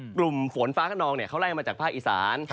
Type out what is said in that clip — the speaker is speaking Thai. กลุ่มฝนฟ้าขนองเขาไล่มาจากภาคอีสาน